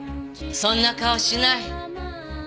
そんな顔しない。